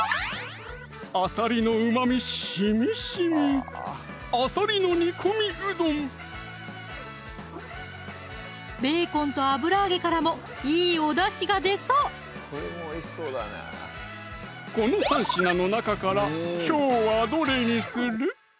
あさりのうまみしみしみベーコンと油揚げからもいいおだしが出そうこの３品の中からきょうはどれにする？